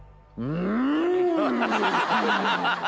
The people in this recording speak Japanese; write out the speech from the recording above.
うん！